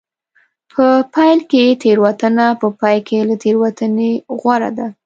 په پیل کې تېروتنه په پای کې له تېروتنې غوره ده.